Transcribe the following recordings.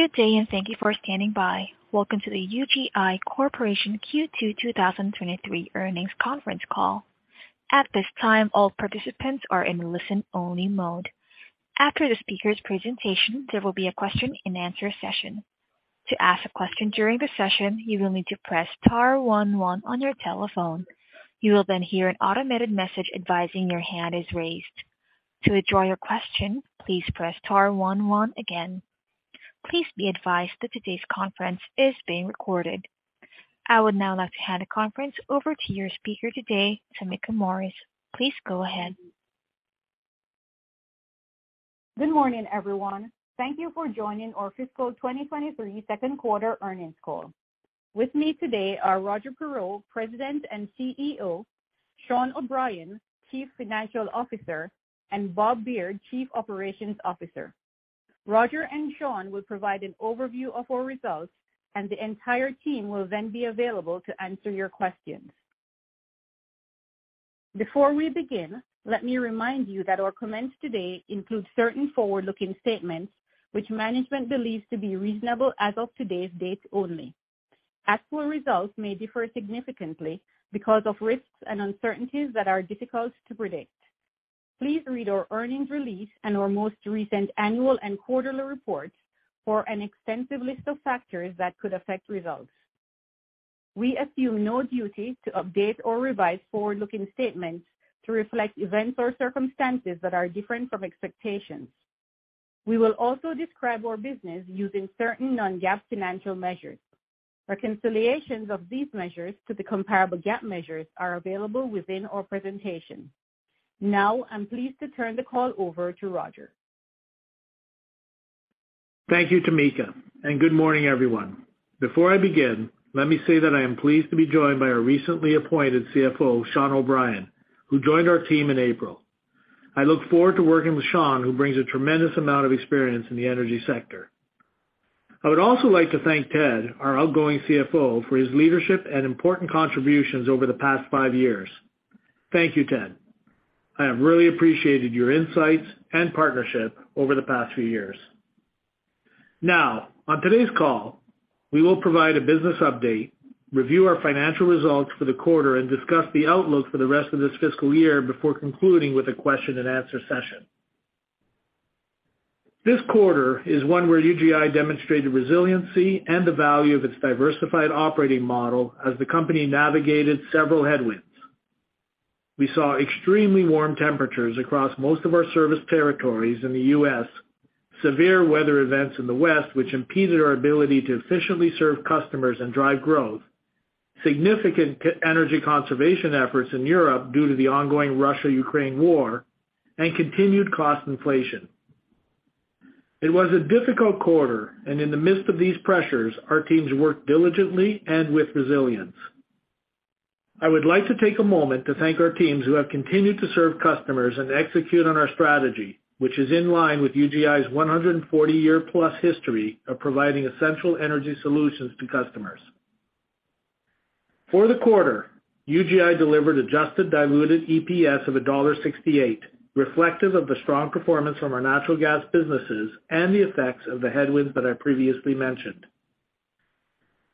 Good day, and thank you for standing by. Welcome to the UGI Corporation Q2 2023 Earnings Conference Call. At this time, all participants are in listen-only mode. After the speaker's presentation, there will be a question-and-answer session. To ask a question during the session, you will need to press star one one on your telephone. You will then hear an automated message advising your hand is raised. To withdraw your question, please press star one one again. Please be advised that today's conference is being recorded. I would now like to hand the conference over to your speaker today, Tameka Morris. Please go ahead. Good morning, everyone. Thank you for joining our fiscal 2023 second quarter earnings call. With me today are Roger Perreault, President and CEO, Sean O'Brien, Chief Financial Officer, and Bob Beard, Chief Operations Officer. Roger and Sean will provide an overview of our results, and the entire team will then be available to answer your questions. Before we begin, let me remind you that our comments today include certain forward-looking statements which management believes to be reasonable as of today's date only. Actual results may differ significantly because of risks and uncertainties that are difficult to predict. Please read our earnings release and our most recent annual and quarterly reports for an extensive list of factors that could affect results. We assume no duty to update or revise forward-looking statements to reflect events or circumstances that are different from expectations. We will also describe our business using certain non-GAAP financial measures. Reconciliations of these measures to the comparable GAAP measures are available within our presentation. I'm pleased to turn the call over to Roger. Thank you, Tameka. Good morning, everyone. Before I begin, let me say that I am pleased to be joined by our recently appointed CFO, Sean O'Brien, who joined our team in April. I look forward to working with Sean, who brings a tremendous amount of experience in the energy sector. I would also like to thank Ted, our outgoing CFO, for his leadership and important contributions over the past five years. Thank you, Ted. I have really appreciated your insights and partnership over the past few years. On today's call, we will provide a business update, review our financial results for the quarter, and discuss the outlook for the rest of this fiscal year before concluding with a question-and-answer session. This quarter is one where UGI demonstrated resiliency and the value of its diversified operating model as the company navigated several headwinds. We saw extremely warm temperatures across most of our service territories in the U.S., severe weather events in the West, which impeded our ability to efficiently serve customers and drive growth, significant energy conservation efforts in Europe due to the ongoing Russia-Ukraine war, and continued cost inflation. It was a difficult quarter, and in the midst of these pressures, our teams worked diligently and with resilience. I would like to take a moment to thank our teams who have continued to serve customers and execute on our strategy, which is in line with UGI's 140-year-plus history of providing essential energy solutions to customers. For the quarter, UGI delivered Adjusted Diluted EPS of $1.68, reflective of the strong performance from our natural gas businesses and the effects of the headwinds that I previously mentioned.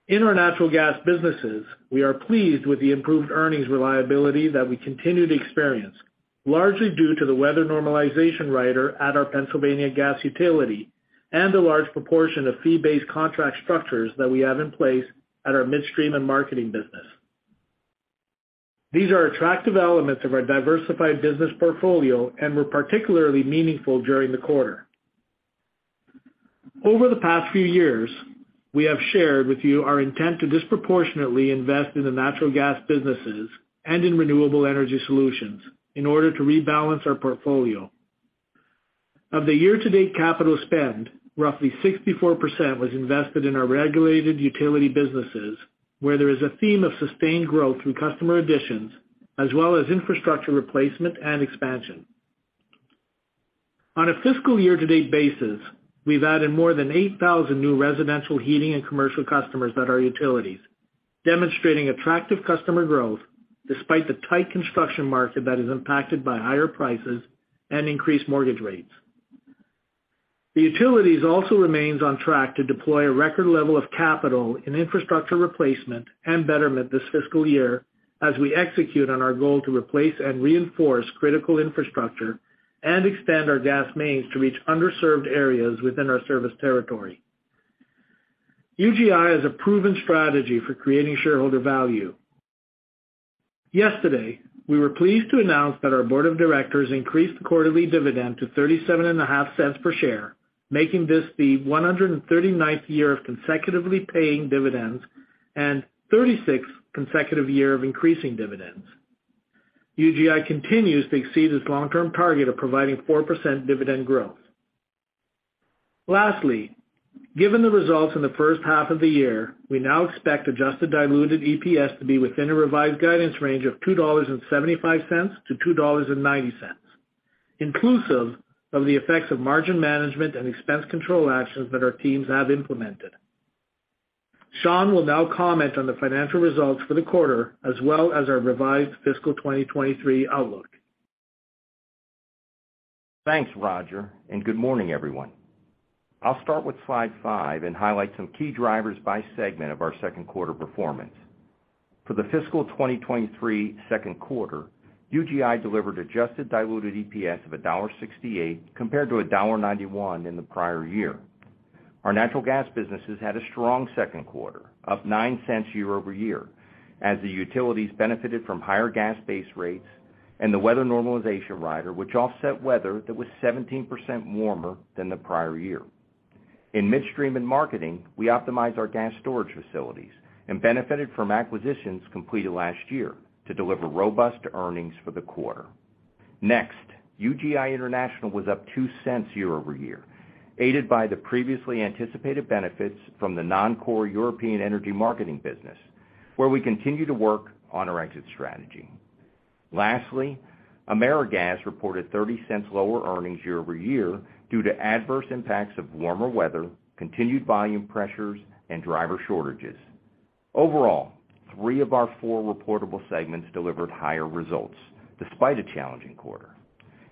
In our natural gas businesses, we are pleased with the improved earnings reliability that we continue to experience, largely due to the weather normalization rider at our Pennsylvania gas utility and a large proportion of fee-based contract structures that we have in place at our Midstream & Marketing business. These are attractive elements of our diversified business portfolio and were particularly meaningful during the quarter. Over the past few years, we have shared with you our intent to disproportionately invest in the natural gas businesses and in renewable energy solutions in order to rebalance our portfolio. Of the year-to-date capital spend, roughly 64% was invested in our regulated utility businesses, where there is a theme of sustained growth through customer additions as well as infrastructure replacement and expansion. On a fiscal year-to-date basis, we've added more than 8,000 new residential heating and commercial customers at our utilities, demonstrating attractive customer growth despite the tight construction market that is impacted by higher prices and increased mortgage rates. The utilities also remains on track to deploy a record level of capital in infrastructure replacement and betterment this fiscal year as we execute on our goal to replace and reinforce critical infrastructure and expand our gas mains to reach underserved areas within our service territory. UGI has a proven strategy for creating shareholder value. Yesterday, we were pleased to announce that our board of directors increased the quarterly dividend to thirty-seven and a half cents per share, making this the 139th year of consecutively paying dividends and 36th consecutive year of increasing dividends. UGI continues to exceed its long-term target of providing 4% dividend growth. Lastly, given the results in the first half of the year, we now expect Adjusted Diluted EPS to be within a revised guidance range of $2.75-$2.90, inclusive of the effects of margin management and expense control actions that our teams have implemented. Sean will now comment on the financial results for the quarter as well as our revised fiscal 2023 outlook. Thanks, Roger. Good morning, everyone. I'll start with slide 5 and highlight some key drivers by segment of our second quarter performance. For the fiscal 2023 second quarter, UGI delivered Adjusted Diluted EPS of $1.68 compared to $1.91 in the prior year. Our natural gas businesses had a strong second quarter, up $0.09 year-over-year, as the utilities benefited from higher gas base rates and the weather normalization rider, which offset weather that was 17% warmer than the prior year. In Midstream & Marketing, we optimized our gas storage facilities and benefited from acquisitions completed last year to deliver robust earnings for the quarter. Next, UGI International was up $0.02 year-over-year, aided by the previously anticipated benefits from the non-core European energy marketing business, where we continue to work on our exit strategy. Lastly, AmeriGas reported $0.30 lower earnings year-over-year due to adverse impacts of warmer weather, continued volume pressures, and driver shortages. Overall, three of our four reportable segments delivered higher results despite a challenging quarter.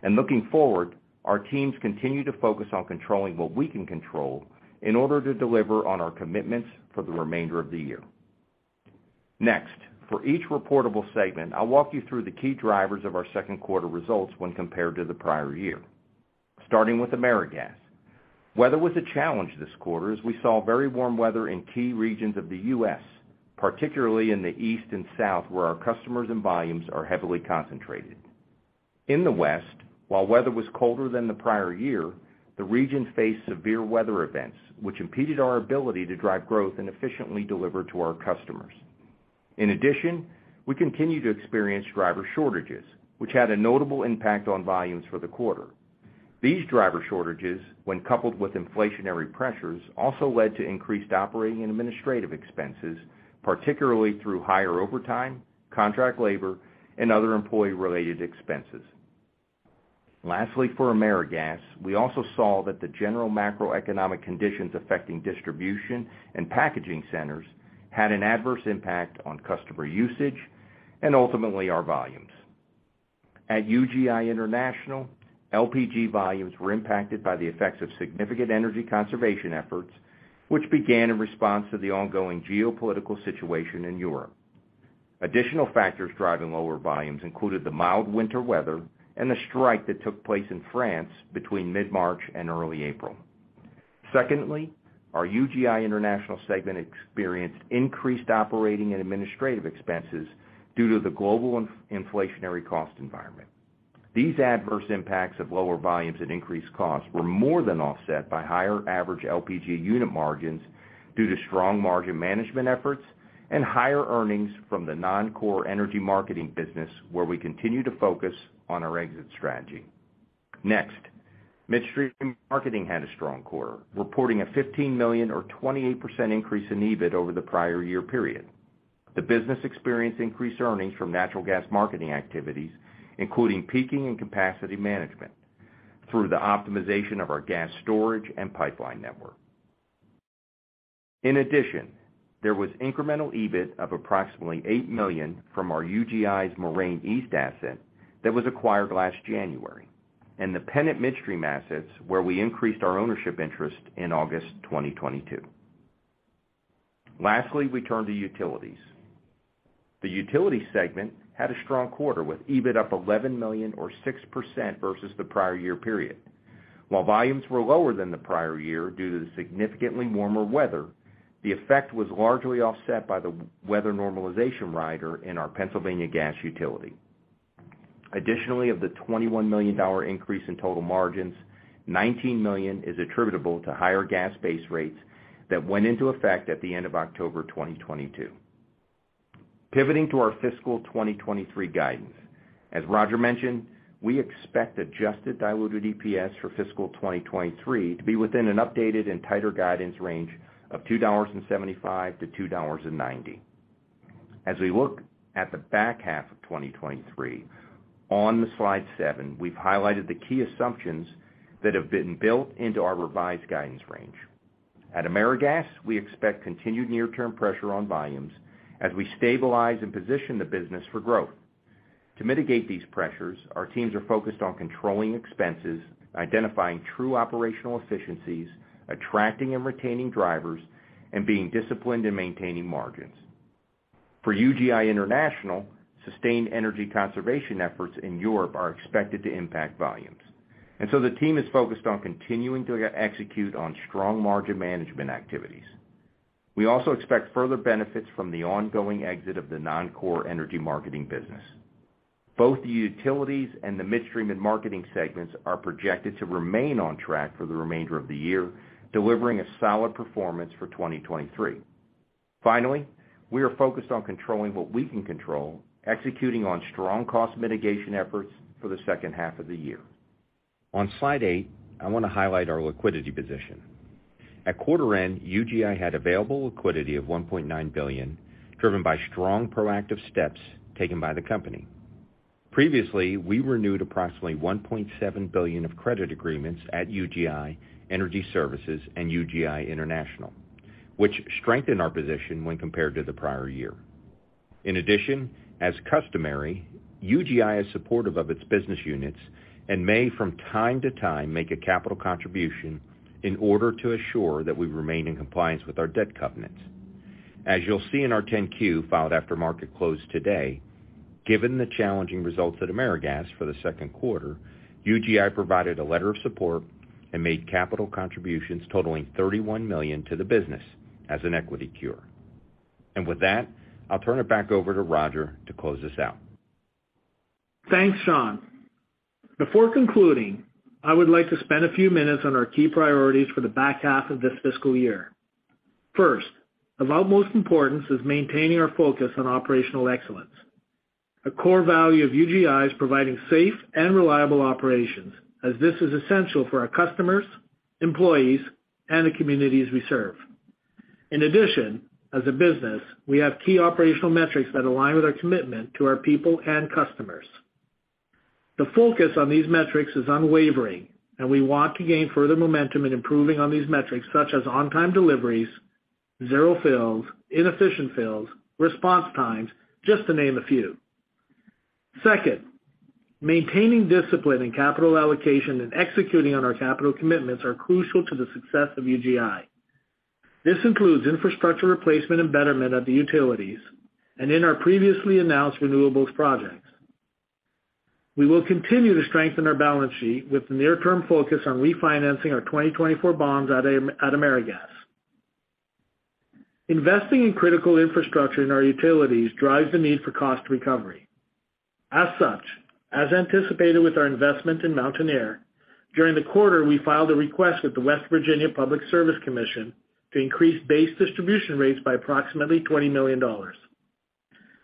Looking forward, our teams continue to focus on controlling what we can control in order to deliver on our commitments for the remainder of the year. Next, for each reportable segment, I'll walk you through the key drivers of our second quarter results when compared to the prior year. Starting with AmeriGas. Weather was a challenge this quarter as we saw very warm weather in key regions of the U.S., particularly in the East and South, where our customers and volumes are heavily concentrated. In the West, while weather was colder than the prior year, the region faced severe weather events, which impeded our ability to drive growth and efficiently deliver to our customers. In addition, we continue to experience driver shortages, which had a notable impact on volumes for the quarter. These driver shortages, when coupled with inflationary pressures, also led to increased operating and administrative expenses, particularly through higher overtime, contract labor, and other employee-related expenses. Lastly, for AmeriGas, we also saw that the general macroeconomic conditions affecting distribution and packaging centers had an adverse impact on customer usage and ultimately our volumes. At UGI International, LPG volumes were impacted by the effects of significant energy conservation efforts, which began in response to the ongoing geopolitical situation in Europe. Additional factors driving lower volumes included the mild winter weather and the strike that took place in France between mid-March and early April. Our UGI International segment experienced increased operating and administrative expenses due to the global inflationary cost environment. These adverse impacts of lower volumes and increased costs were more than offset by higher average LPG unit margins due to strong margin management efforts and higher earnings from the non-core energy marketing business where we continue to focus on our exit strategy. Midstream & Marketing had a strong quarter, reporting a $15 million or 28% increase in EBIT over the prior year period. The business experienced increased earnings from natural gas marketing activities, including peaking and capacity management through the optimization of our gas storage and pipeline network. There was incremental EBIT of approximately $8 million from our UGI's Moraine East asset that was acquired last January, and the Pennant Midstream assets, where we increased our ownership interest in August 2022. We turn to utilities. The utility segment had a strong quarter, with EBIT up $11 million or 6% versus the prior year period. While volumes were lower than the prior year due to the significantly warmer weather, the effect was largely offset by the weather normalization rider in our Pennsylvania gas utility. Additionally, of the $21 million increase in total margins, $19 million is attributable to higher gas base rates that went into effect at the end of October 2022. Pivoting to our fiscal 2023 guidance, as Roger mentioned, we expect Adjusted Diluted EPS for fiscal 2023 to be within an updated and tighter guidance range of $2.75-$2.90. As we look at the back half of 2023, on slide 7, we've highlighted the key assumptions that have been built into our revised guidance range. At AmeriGas, we expect continued near-term pressure on volumes as we stabilize and position the business for growth. To mitigate these pressures, our teams are focused on controlling expenses, identifying true operational efficiencies, attracting and retaining drivers, and being disciplined and maintaining margins. For UGI International, sustained energy conservation efforts in Europe are expected to impact volumes, and so the team is focused on continuing to execute on strong margin management activities. We also expect further benefits from the ongoing exit of the non-core energy marketing business. Both the utilities and the Midstream & Marketing segments are projected to remain on track for the remainder of the year, delivering a solid performance for 2023. Finally, we are focused on controlling what we can control, executing on strong cost mitigation efforts for the second half of the year. On slide eight, I wanna highlight our liquidity position. At quarter end, UGI had available liquidity of $1.9 billion, driven by strong proactive steps taken by the company. Previously, we renewed approximately $1.7 billion of credit agreements at UGI Energy Services and UGI International, which strengthened our position when compared to the prior year. As customary, UGI is supportive of its business units and may from time to time make a capital contribution in order to assure that we remain in compliance with our debt covenants. As you'll see in our 10-Q filed after market closed today, given the challenging results at AmeriGas for the second quarter, UGI provided a letter of support and made capital contributions totaling $31 million to the business as an equity cure. With that, I'll turn it back over to Roger to close this out. Thanks, Sean. Before concluding, I would like to spend a few minutes on our key priorities for the back half of this fiscal year. First, of utmost importance is maintaining our focus on operational excellence. A core value of UGI is providing safe and reliable operations, as this is essential for our customers, employees, and the communities we serve. In addition, as a business, we have key operational metrics that align with our commitment to our people and customers. The focus on these metrics is unwavering, and we want to gain further momentum in improving on these metrics such as on-time deliveries, zero fails, inefficient fails, response times, just to name a few. Second, maintaining discipline in capital allocation and executing on our capital commitments are crucial to the success of UGI. This includes infrastructure replacement and betterment of the utilities and in our previously announced renewables projects. We will continue to strengthen our balance sheet with the near-term focus on refinancing our 2024 bonds at AmeriGas. Investing in critical infrastructure in our utilities drives the need for cost recovery. As such, as anticipated with our investment in Mountaineer Gas Company, during the quarter, we filed a request with the West Virginia Public Service Commission to increase base distribution rates by approximately $20 million.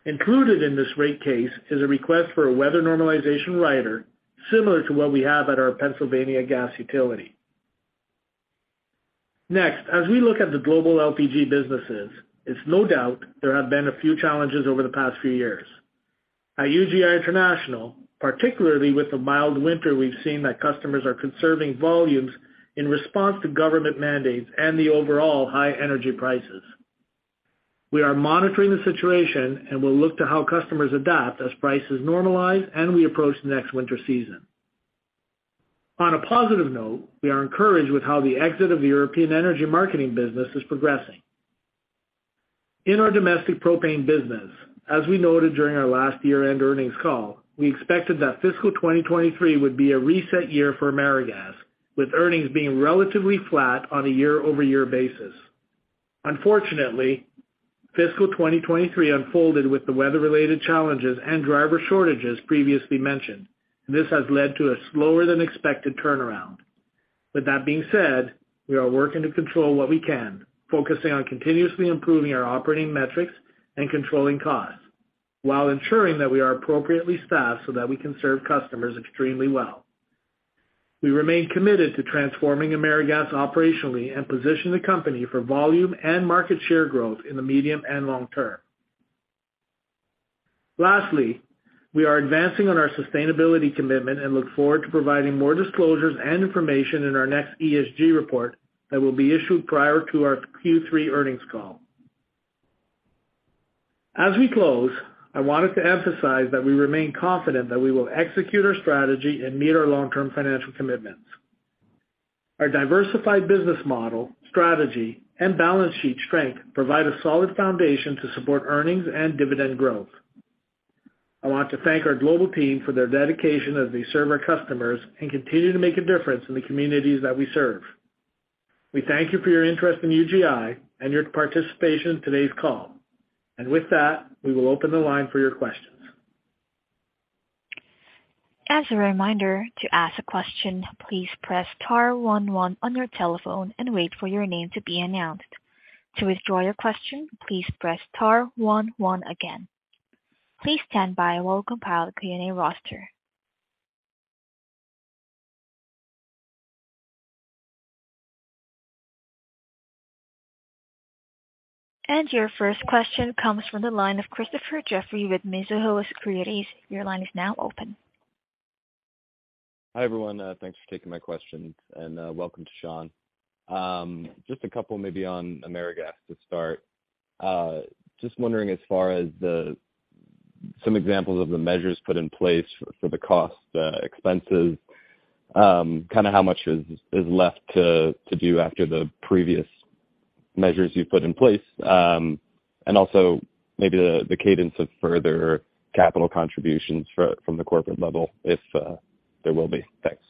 Included in this rate case is a request for a weather normalization rider similar to what we have at our Pennsylvania Gas utility. Next, as we look at the global LPG businesses, it's no doubt there have been a few challenges over the past few years. At UGI International, particularly with the mild winter, we've seen that customers are conserving volumes in response to government mandates and the overall high energy prices. We are monitoring the situation and will look to how customers adapt as prices normalize and we approach the next winter season. On a positive note, we are encouraged with how the exit of the European energy marketing business is progressing. In our domestic propane business, as we noted during our last year-end earnings call, we expected that fiscal 2023 would be a reset year for AmeriGas, with earnings being relatively flat on a year-over-year basis. Unfortunately, fiscal 2023 unfolded with the weather-related challenges and driver shortages previously mentioned. This has led to a slower than expected turnaround. With that being said, we are working to control what we can, focusing on continuously improving our operating metrics and controlling costs while ensuring that we are appropriately staffed so that we can serve customers extremely well. We remain committed to transforming AmeriGas operationally and position the company for volume and market share growth in the medium and long term. Lastly, we are advancing on our sustainability commitment and look forward to providing more disclosures and information in our next ESG report that will be issued prior to our Q3 earnings call. As we close, I wanted to emphasize that we remain confident that we will execute our strategy and meet our long-term financial commitments. Our diversified business model, strategy, and balance sheet strength provide a solid foundation to support earnings and dividend growth. I want to thank our global team for their dedication as they serve our customers and continue to make a difference in the communities that we serve. We thank you for your interest in UGI and your participation in today's call. With that, we will open the line for your questions. As a reminder, to ask a question, please press star one one on your telephone and wait for your name to be announced. To withdraw your question, please press star one one again. Please stand by while we compile the Q&A roster. Your first question comes from the line of Christopher Jeffery with Mizuho Securities. Your line is now open. Hi, everyone. Thanks for taking my questions, and welcome to Sean. Just a couple maybe on AmeriGas to start. Just wondering, as far as some examples of the measures put in place for the cost expenses, kind of how much is left to do after the previous measures you've put in place? Also maybe the cadence of further capital contributions from the corporate level, if there will be. Thanks.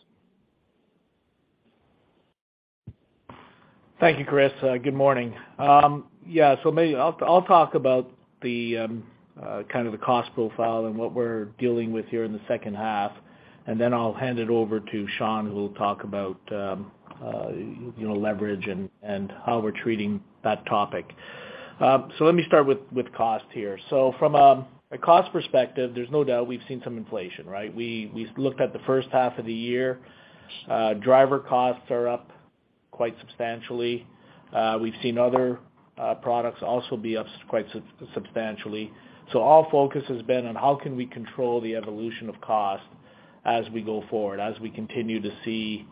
Thank you, Chris. Good morning. Maybe I'll talk about the kind of the cost profile and what we're dealing with here in the second half, and then I'll hand it over to Sean, who will talk about, you know, leverage and how we're treating that topic. Let me start with cost here. From a cost perspective, there's no doubt we've seen some inflation, right? We looked at the first half of the year. Driver costs are up quite substantially. We've seen other products also be up quite substantially. Our focus has been on how can we control the evolution of cost as we go forward, as we continue to see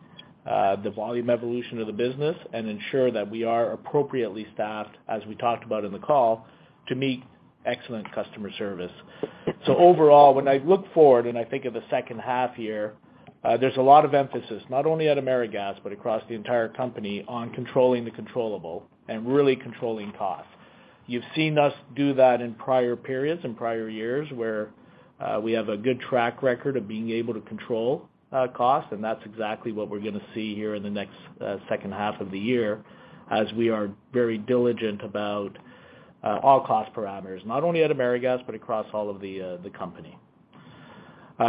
the volume evolution of the business and ensure that we are appropriately staffed, as we talked about in the call, to meet excellent customer service. Overall, when I look forward and I think of the second half here, there's a lot of emphasis, not only at AmeriGas, but across the entire company on controlling the controllable and really controlling costs. You've seen us do that in prior periods, in prior years, where we have a good track record of being able to control costs, and that's exactly what we're gonna see here in the next second half of the year as we are very diligent about all cost parameters, not only at AmeriGas, but across all of the company.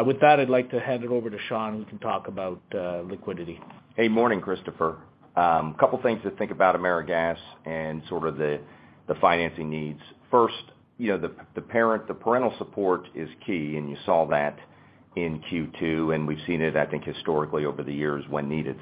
With that, I'd like to hand it over to Sean, who can talk about liquidity. Hey, morning, Christopher. Couple things to think about AmeriGas and sort of the financing needs. First, you know, the parental support is key, and you saw that in Q2, and we've seen it, I think, historically over the years when needed.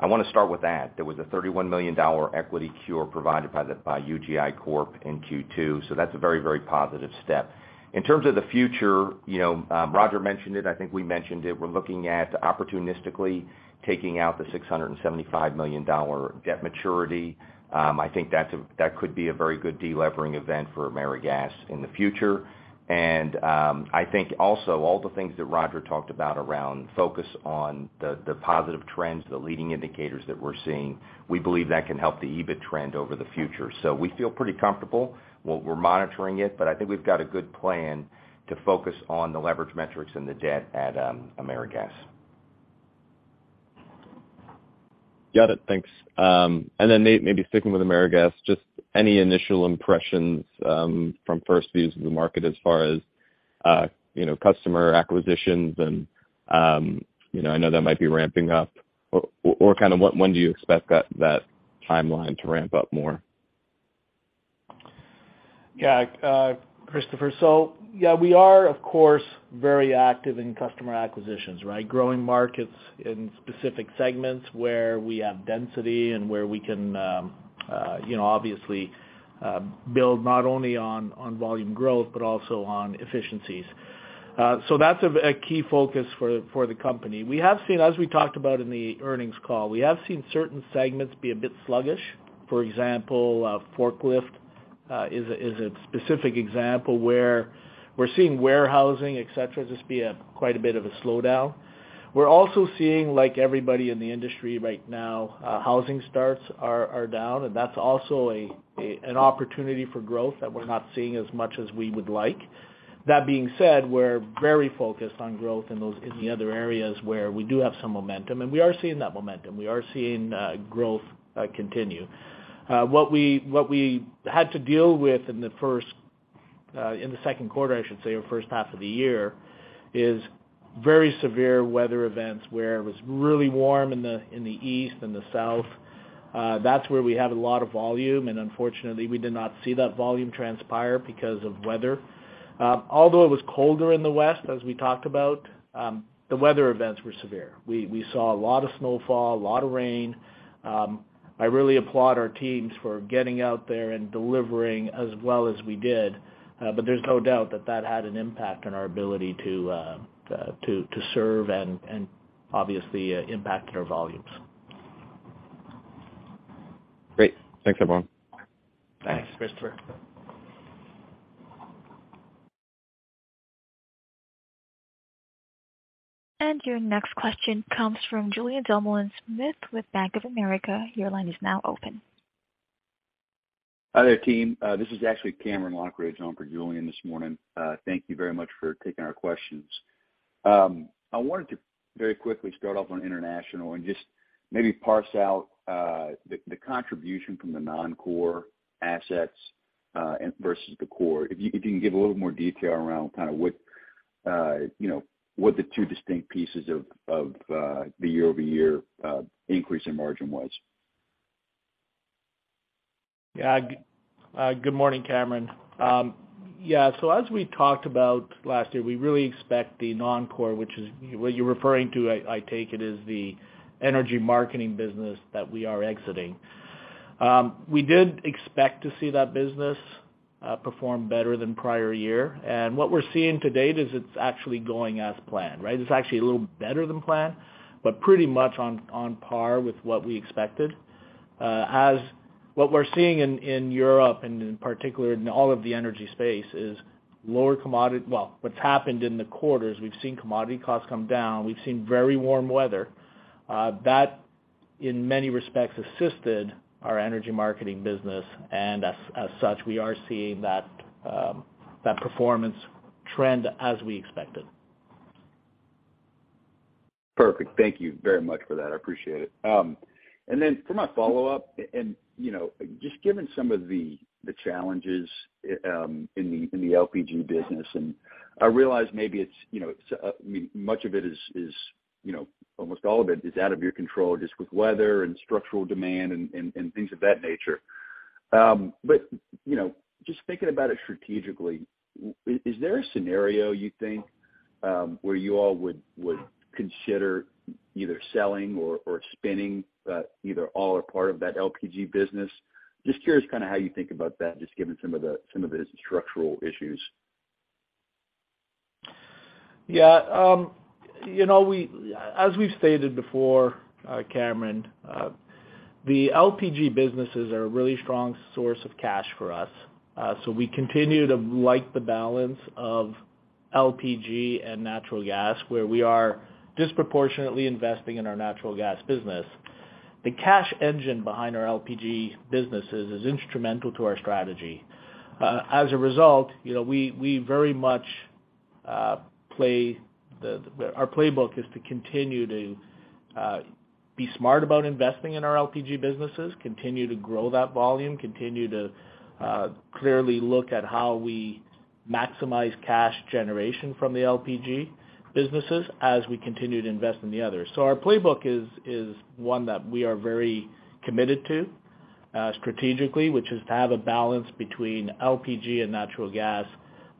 I wanna start with that. There was a $31 million equity cure provided by UGI Corporation in Q2, so that's a very, very positive step. In terms of the future, you know, Roger mentioned it, I think we mentioned it. We're looking at opportunistically taking out the $675 million debt maturity. I think that could be a very good de-levering event for AmeriGas in the future. I think also all the things that Roger talked about around focus on the positive trends, the leading indicators that we're seeing, we believe that can help the EBIT trend over the future. We feel pretty comfortable. We're monitoring it, but I think we've got a good plan to focus on the leverage metrics and the debt at AmeriGas. Got it. Thanks. Then, Roger, maybe sticking with AmeriGas, just any initial impressions from first views of the market as far as, you know, customer acquisitions and, you know, I know that might be ramping up. Kind of what when do you expect that timeline to ramp up more? Christopher, we are of course very active in customer acquisitions, right? Growing markets in specific segments where we have density and where we can, you know, obviously, build not only on volume growth but also on efficiencies. That's a key focus for the company. We have seen, as we talked about in the earnings call, we have seen certain segments be a bit sluggish. For example, forklift is a specific example where we're seeing warehousing, et cetera, just be a quite a bit of a slowdown. We're also seeing, like everybody in the industry right now, housing starts are down. That's also an opportunity for growth that we're not seeing as much as we would like. We're very focused on growth in the other areas where we do have some momentum, and we are seeing that momentum. We are seeing growth continue. What we had to deal with in the second quarter, I should say, or first half of the year, is very severe weather events where it was really warm in the East and the South. That's where we have a lot of volume, and unfortunately, we did not see that volume transpire because of weather. Although it was colder in the West, as we talked about, the weather events were severe. We saw a lot of snowfall, a lot of rain. I really applaud our teams for getting out there and delivering as well as we did, but there's no doubt that that had an impact on our ability to serve and obviously impacted our volumes. Great. Thanks, everyone. Thanks. Thanks, Christopher. Your next question comes from Julien Dumoulin-Smith with Bank of America. Your line is now open. Hi there, team. This is actually Cameron Lochridge on for Julien this morning. Thank you very much for taking our questions. I wanted to very quickly start off on International and just maybe parse out the contribution from the non-core assets versus the core. If you can give a little more detail around kind of what, you know, what the two distinct pieces of the year-over-year increase in margin was. Good morning, Cameron. As we talked about last year, we really expect the non-core, which is what you're referring to, I take it, is the energy marketing business that we are exiting. We did expect to see that business perform better than prior year. What we're seeing to date is it's actually going as planned, right? It's actually a little better than planned, but pretty much on par with what we expected. As what we're seeing in Europe and in particular in all of the energy space is lower commodity... What's happened in the quarter is we've seen commodity costs come down. We've seen very warm weather. That, in many respects, assisted our energy marketing business, as such, we are seeing that performance trend as we expected. Perfect. Thank you very much for that. I appreciate it. For my follow-up and, you know, just given some of the challenges, in the, in the LPG business, and I realize maybe it's, you know, I mean, much of it is, you know, almost all of it is out of your control just with weather and structural demand and things of that nature. You know, just thinking about it strategically, is there a scenario you think, where you all would consider either selling or spinning, either all or part of that LPG business. Just curious kind of how you think about that, just given some of the structural issues. Yeah. you know, As we've stated before, Cameron, the LPG businesses are a really strong source of cash for us. We continue to like the balance of LPG and natural gas, where we are disproportionately investing in our natural gas business. The cash engine behind our LPG businesses is instrumental to our strategy. As a result, you know, we very much Our playbook is to continue to be smart about investing in our LPG businesses, continue to grow that volume, continue to clearly look at how we maximize cash generation from the LPG businesses as we continue to invest in the others. Our playbook is one that we are very committed to, strategically, which is to have a balance between LPG and natural gas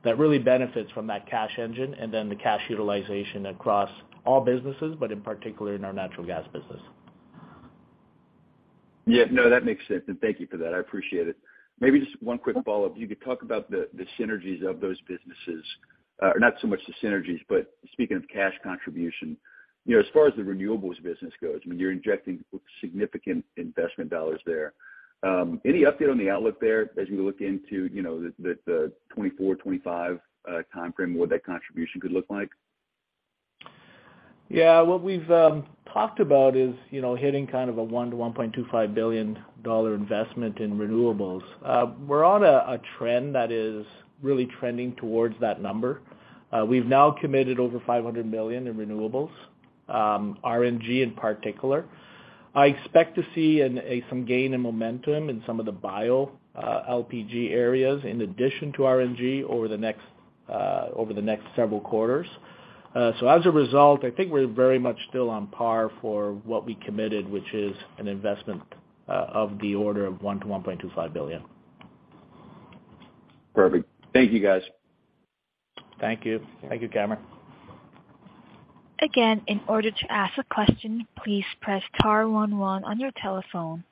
that really benefits from that cash engine and then the cash utilization across all businesses, but in particular in our natural gas business. Yeah. No, that makes sense. Thank you for that. I appreciate it. Maybe just one quick follow-up. You could talk about the synergies of those businesses. Not so much the synergies, but speaking of cash contribution, you know, as far as the renewables business goes, I mean, you're injecting significant investment dollars there. Any update on the outlook there as we look into, you know, the 2024, 2025 timeframe, what that contribution could look like? What we've talked about is, you know, hitting kind of a $1 billion-$1.25 billion investment in renewables. We're on a trend that is really trending towards that number. We've now committed over $500 million in renewables, RNG in particular. I expect to see some gain in momentum in some of the BioLPG areas in addition to RNG over the next several quarters. As a result, I think we're very much still on par for what we committed, which is an investment of the order of $1 billion-$1.25 billion. Perfect. Thank you, guys. Thank you. Thank you, Cameron. Again, in order to ask a question, please press star one one on your telephone.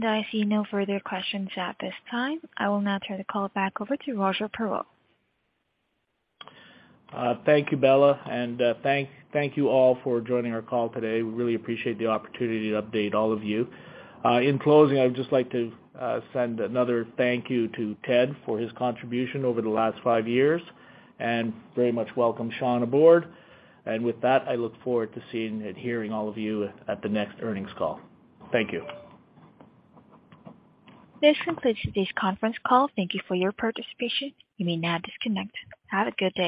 I see no further questions at this time. I will now turn the call back over to Roger Perreault. Thank you, Bella, thank you all for joining our call today. We really appreciate the opportunity to update all of you. In closing, I'd just like to send another thank you to Ted for his contribution over the last five years and very much welcome Sean aboard. With that, I look forward to seeing and hearing all of you at the next earnings call. Thank you. This concludes today's conference call. Thank you for your participation. You may now disconnect. Have a good day.